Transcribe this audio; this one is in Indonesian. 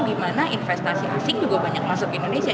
dimana investasi asing juga banyak masuk ke indonesia